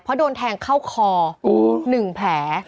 เพราะโดนแทงเข้าคอ๑แผล